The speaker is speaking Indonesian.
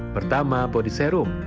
pertama body serum